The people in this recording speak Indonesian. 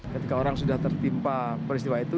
ketika orang sudah tertimpa peristiwa itu